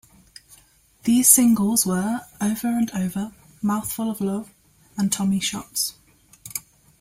These singles were "Over and Over", "Mouthful of Love" and "Tommy Shots".